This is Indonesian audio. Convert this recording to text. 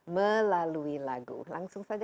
melalui lagu langsung saja